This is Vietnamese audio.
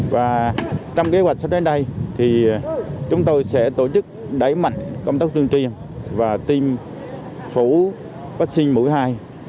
và trong kế hoạch sắp đến đây thì chúng tôi sẽ tổ chức đẩy mạnh công tác tuyên truyền và tiêm phủ vaccine mũi hai